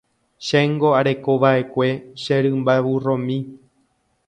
Chéngo arekova'ekue che rymba vurromi.